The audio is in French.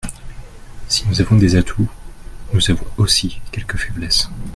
Si nous avons des atouts, nous avons aussi quelques faiblesses.